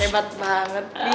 hebat banget pi